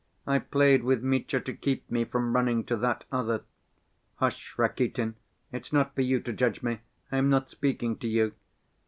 I played with Mitya to keep me from running to that other. Hush, Rakitin, it's not for you to judge me, I am not speaking to you.